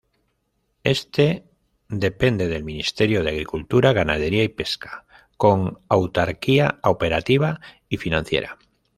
Este depende del Ministerio de Agricultura, Ganadería y Pesca, con autarquía operativa y financiera.